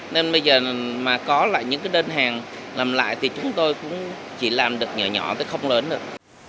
nên bây giờ mà có lại những cái đơn hàng làm lại thì chúng tôi cũng chỉ làm được nhỏ nhỏ tới không lớn nữa